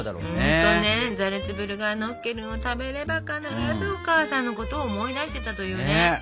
本当ねザルツブルガーノッケルンを食べれば必ずお母さんのことを思い出してたというね。